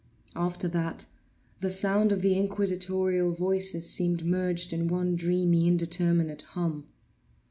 After that, the sound of the inquisitorial voices seemed merged in one dreamy indeterminate hum.